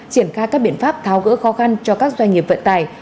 triển khai các biện pháp tháo gỡ khó khăn cho các doanh nghiệp vận tải